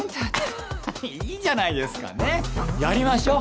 ははっいいじゃないですかねっやりましょう。